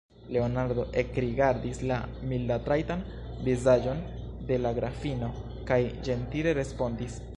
Leonardo ekrigardis la mildatrajtan vizaĝon de la grafino kaj ĝentile respondis: